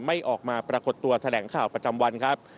ไม่ออกมาปรากฏตัวแถลงข่าวประจำวันครับ